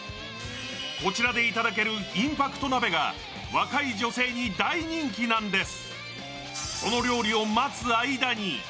こちらでいただけるインパクト鍋が若い女性に大人気なんです。